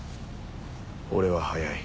俺は速い。